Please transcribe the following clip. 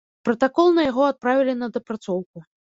Пратакол на яго адправілі на дапрацоўку.